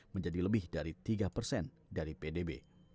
menjadi lebih dari tiga persen dari pdb